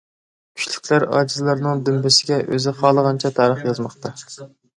كۈچلۈكلەر ئاجىزلارنىڭ دۈمبىسىگە ئۆزى خالىغانچە تارىخ يازماقتا.